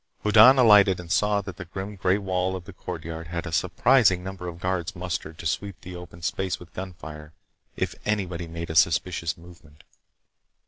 Hoddan alighted and saw that the grim gray wall of the courtyard had a surprising number of guards mustered to sweep the open space with gunfire if anybody made a suspicious movement.